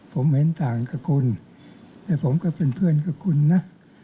ผมเห็นต่างกับคุณแต่ผมก็เป็นเพื่อนกับคุณนะ